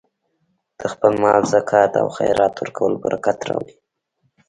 د خپل مال زکات او خیرات ورکول برکت راوړي.